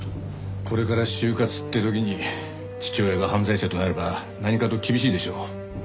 これから就活って時に父親が犯罪者となれば何かと厳しいでしょう。